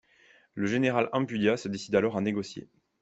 Le général Ampudia se décide alors à négocier.